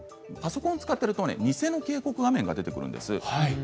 パソコンを使っていると偽の警告画面が出てくるんです。